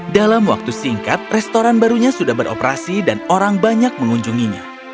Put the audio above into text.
dalam waktu singkat restoran barunya sudah beroperasi dan orang banyak mengunjunginya